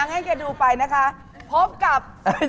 ให้แกดูไปนะคะพบกับ